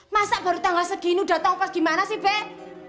masa baru tanggal segini udah tongpes gimana sih beh